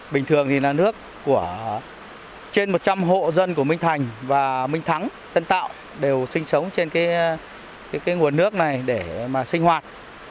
bình thường thì là nước của trên một trăm linh hộ dân của minh thành và minh thắng tân tạo đều sinh sống trên nguồn nước này để mà sinh hoạt